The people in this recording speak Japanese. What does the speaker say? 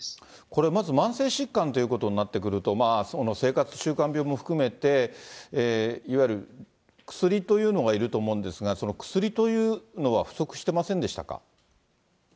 これはまず、慢性疾患ということになると、生活習慣病も含めて、いわゆる薬というのがいると思うんですが、薬というのは不足してませんでしたか。